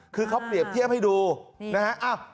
คือเขาเปรียบเทียบให้ดูนะฮะ